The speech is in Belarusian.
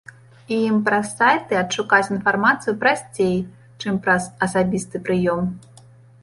І ім праз сайты адшукаць інфармацыю прасцей, чым праз асабісты прыём.